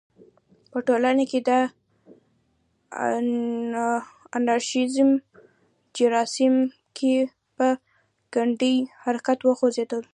په ټولنه کې د انارشیزم جراثیم په ګړندي حرکت وخوځېدل.